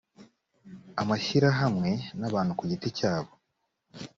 amashyirahamwe n abantu ku giti cyabo